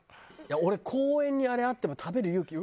俺公園にあれあっても食べる勇気。